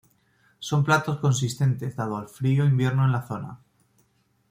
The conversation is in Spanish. Son platos consistentes dado al frío invierno en la zona.